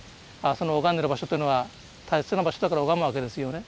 その拝んでる場所というのは大切な場所だから拝むわけですよね。